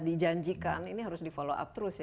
dijanjikan ini harus di follow up terus ya